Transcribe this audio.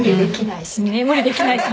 無理できないし。